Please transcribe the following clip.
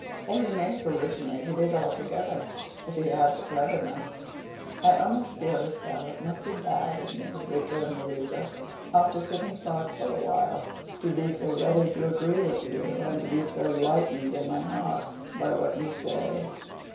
Or he may have originated it altogether, if he had the cleverness.' 'I almost feel as though it must be bad in me,' returned Louisa, after sitting thoughtful awhile, 'to be so ready to agree with you, and to be so lightened in my heart by what you say.